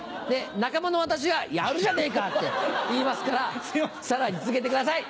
仲間の私が「やるじゃねえか」って言いますからさらに続けてください。